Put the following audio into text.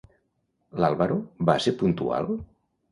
LÁlvaro va ser puntual?